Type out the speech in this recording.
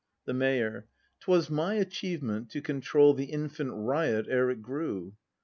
The Mayor. 'Twas my achievement, to control The infant riot ere it grew.